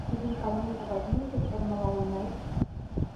Һеҙҙең командағыҙ ниндәй формала уйнай?